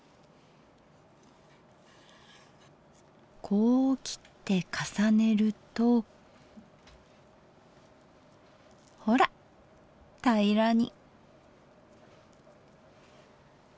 こう切って重ねるとほら平らに。